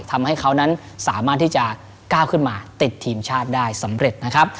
ทำให้เขานั้นสามารถที่จะก้าวขึ้นมาติดทีมชาติได้สำเร็จนะครับ